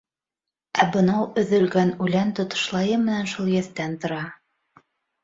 Ә бынау өҙөлгән үлән тотошлайы менән шул еҫтән тора!